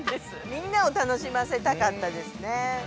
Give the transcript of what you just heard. みんなをたのしませたかったですね。